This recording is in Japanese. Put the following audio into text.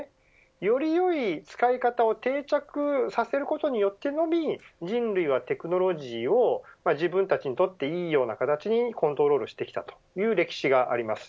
よりよい使い方を定着させることによってのみ人類はテクノロジーを自分たちにとっていいような形にコントロールしてきたという歴史があります。